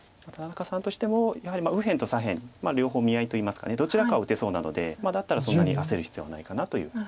田中さんとしてもやはり右辺と左辺両方見合いといいますかどちらかを打てそうなのでだったらそんなに焦る必要はないかなという。